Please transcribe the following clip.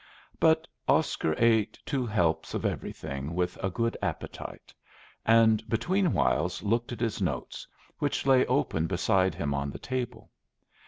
But Oscar ate two helps of everything with a good appetite, and between whiles looked at his notes, which lay open beside him on the table.